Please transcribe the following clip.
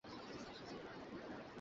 অঞ্জলি, এসব কি হচ্ছে?